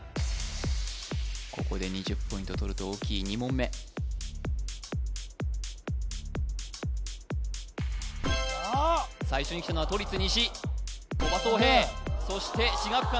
ここで２０ポイントとると大きい２問目最初にきたのは都立西鳥羽想平そして志學館